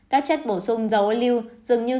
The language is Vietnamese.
các chất bổ sung dầu ô lưu dường như